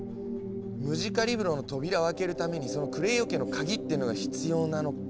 ムジカリブロの扉を開けるためにその「クレイオ家の鍵」っていうのが必要なのかもしれない。